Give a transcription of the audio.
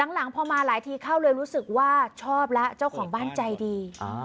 หลังพอมาหลายทีเข้าเลยรู้สึกว่าชอบแล้วเจ้าของบ้านใจดี